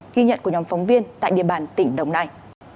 ghi nhận của nhóm phóng viên tại địa bàn tỉnh đồng nai